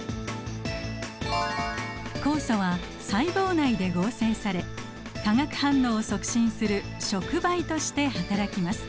酵素は細胞内で合成され化学反応を促進する触媒としてはたらきます。